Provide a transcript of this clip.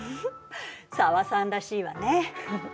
紗和さんらしいわね。